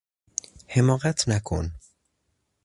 حماقت نکن!